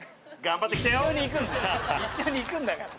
一緒に行くんだから。